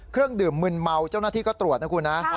เครื่องดื่มมึนเมาเจ้าหน้าที่ก็ตรวจนะคุณนะ